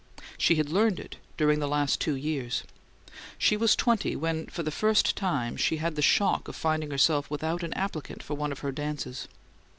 She had learned it during the last two years; she was twenty when for the first time she had the shock of finding herself without an applicant for one of her dances.